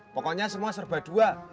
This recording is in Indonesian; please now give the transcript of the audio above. pokoknya semua serba dua